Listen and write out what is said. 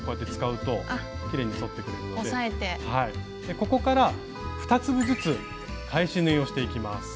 ここから２粒ずつ返し縫いをしていきます。